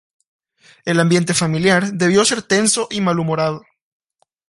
El ambiente familiar debió ser tenso y malhumorado.